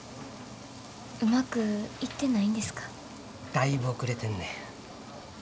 だいぶ遅れてんねん。